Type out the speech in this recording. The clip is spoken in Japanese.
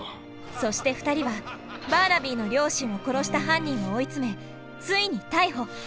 そして２人はバーナビーの両親を殺した犯人を追い詰めついに逮捕。